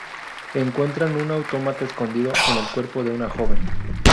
Encuentran un autómata escondido en el cuerpo de una joven.